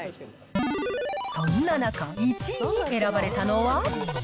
そんな中、１位に選ばれたのは？